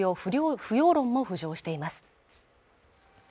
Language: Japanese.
不要論も浮上しています